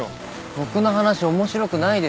僕の話面白くないです。